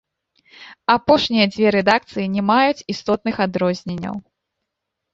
Апошнія дзве рэдакцыі не маюць істотных адрозненняў.